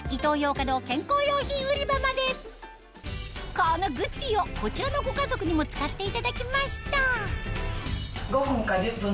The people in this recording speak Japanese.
このグッデイをこちらのご家族にも使っていただきました